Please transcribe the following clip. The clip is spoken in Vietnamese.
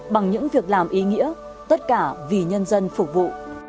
bằng những việc làm ý nghĩa tất cả vì nhân dân phục vụ